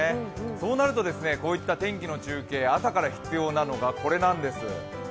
そうなると、こういった天気の中継朝から必要なのがこれなんです。